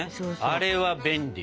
あれは便利。